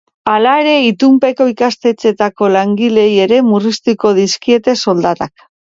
Hala ere, itunpeko ikastetxeetako langileei ere murriztuko dizkiete soldatak.